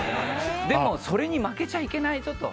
でも、それに負けちゃいけないぞと。